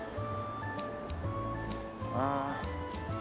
ああ。